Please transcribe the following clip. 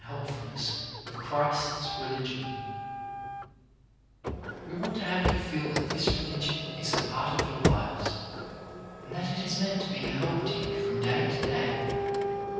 helpfulness of Christ's religion. WHAT WOULD PARENTS SAY? 229 We want to have you feel that this religion is a part of your lives, and that it is meant to be a help to you from day to day.